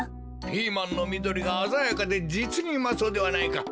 ピーマンのみどりがあざやかでじつにうまそうではないか。